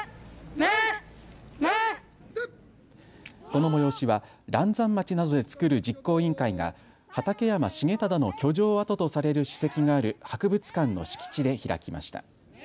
この催しは嵐山町などで作る実行委員会が畠山重忠の居城跡とされる史跡がある博物館の敷地で開きました。